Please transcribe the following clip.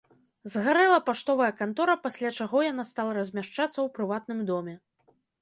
Згарэла паштовая кантора, пасля чаго яна стала размяшчацца ў прыватным доме.